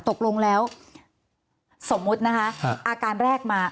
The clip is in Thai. ตกลงแล้วสมมุตินะคะอาการแรกมา